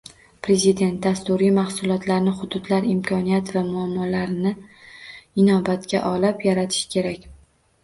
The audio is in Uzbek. Prezident: Dasturiy mahsulotlarni hududlar imkoniyat va muammolarini inobatga olib yaratish kerak